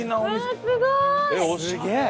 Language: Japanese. すげえ！